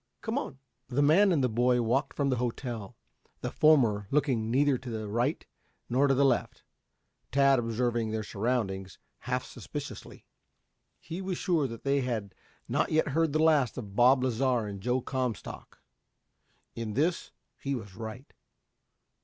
Come on." The man and the boy walked from the hotel, the former looking neither to the right nor to the left, Tad observing their surroundings half suspiciously. He was sure they had not yet heard the last of Bob Lasar and Joe Comstock. In this he was right.